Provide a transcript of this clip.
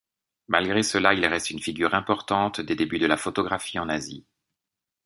Malgré cela, il reste une figure importante des débuts de la photographie en Asie.